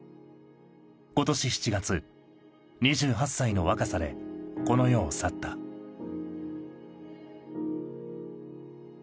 今年７月２８歳の若さでこの世を去ったええ